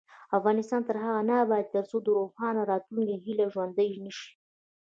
افغانستان تر هغو نه ابادیږي، ترڅو د روښانه راتلونکي هیله ژوندۍ نشي.